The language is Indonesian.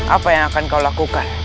apa yang akan kau lakukan